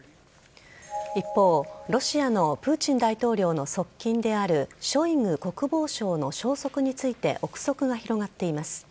一方、ロシアのプーチン大統領の側近であるショイグ国防相の消息について憶測が広がっています。